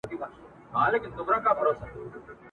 ځکه مي دا غزله ولیکله ..